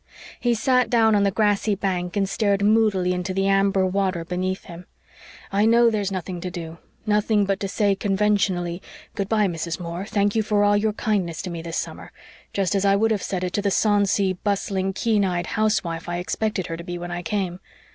He sat down on the grassy bank and stared moodily into the amber water beneath him. "I know there's nothing to do nothing but to say conventionally, 'Good bye, Mrs. Moore. Thank you for all your kindness to me this summer,' just as I would have said it to the sonsy, bustling, keen eyed housewife I expected her to be when I came.